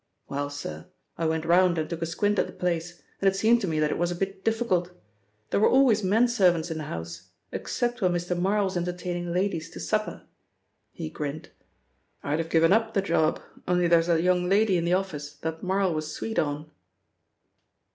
Well, sir, I went round and took a squint at the place, and it seemed to me that it was a bit difficult. There were always men servants in the house, except when Mr. Marl was entertaining ladies to supper," he grinned. "I'd have given up the job, only there's a young lady in the office that Marl was sweet on."